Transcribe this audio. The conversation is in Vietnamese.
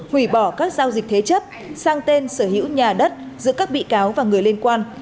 hủy bỏ các giao dịch thế chấp sang tên sở hữu nhà đất giữa các bị cáo và người liên quan